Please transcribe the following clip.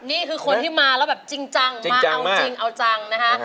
นี่คือคนที่มาแล้วแบบจริงจังมาเอาจริงเอาจังนะคะ